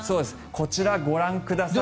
こちら、ご覧ください。